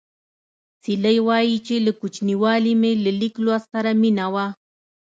سیلۍ وايي چې له کوچنیوالي مې له لیک لوست سره مینه وه